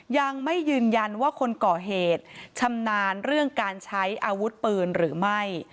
ยังไม่ยืนยันว่าคนก่อเหตุชำนาญเรื่องการใช้อาวุธปืนหรือไม่